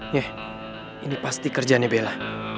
yeh ini pasti kerjaannya bella